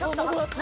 何？